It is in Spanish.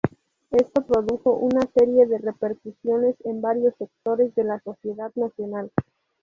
Esto produjo una serie de repercusiones en varios sectores de la sociedad nacional.